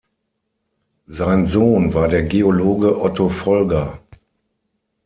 Sein Sohn war der Geologe Otto Volger.